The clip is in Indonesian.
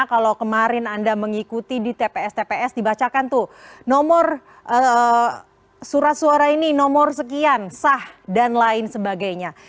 kalau kemarin anda mengikuti di tps tps dibacakan tuh nomor surat suara ini nomor sekian sah dan lain sebagainya